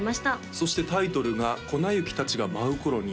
そしてタイトルが「粉雪たちが舞う頃に」